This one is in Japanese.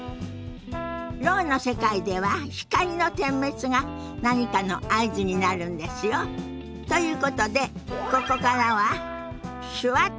ろうの世界では光の点滅が何かの合図になるんですよ。ということでここからは「手話っとストレッチ」のお時間ですよ。